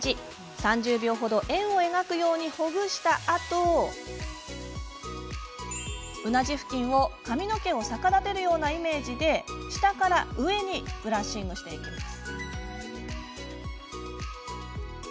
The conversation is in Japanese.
３０秒程、円を描くようにほぐしたあとうなじ付近を、髪の毛を逆立てるようなイメージで下から上にブラッシングしていきます。